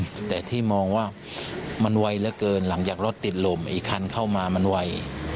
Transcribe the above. แต่ที่มองว่ามันไวเหลือเกินหลังจากรถติดลมอีกคันเข้ามามันไว